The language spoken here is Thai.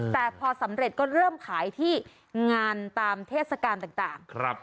แต่พอสำเร็จก็เริ่มขายที่งานตามเทศกาลต่าง